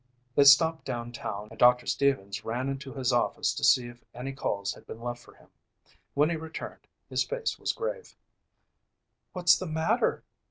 They stopped down town and Doctor Stevens ran into his office to see if any calls had been left for him. When he returned his face was grave. "What's the matter?"